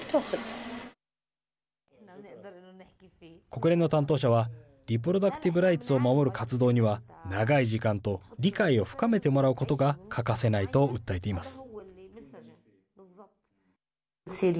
国連の担当者はリプロダクティブ・ライツを守る活動には長い時間と理解を深めてもらうことが欠かせないと訴えています。